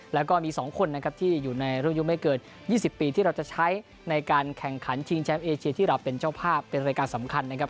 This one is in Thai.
แล้วก็มี๒คนนะครับที่อยู่ในรุ่นอายุไม่เกิน๒๐ปีที่เราจะใช้ในการแข่งขันชิงแชมป์เอเชียที่เราเป็นเจ้าภาพเป็นรายการสำคัญนะครับ